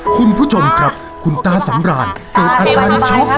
คุณผู้ชมครับคุณตาสำรานเกิดอาการช็อก